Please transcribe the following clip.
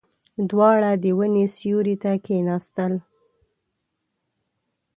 دواړه د ونې سيوري ته کېناستل.